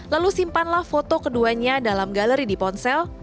lalu simpanlah foto keduanya dalam galeri di ponsel